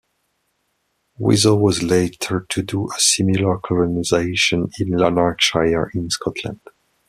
Wizo was later to do a similar colonisation in Lanarkshire in Scotland.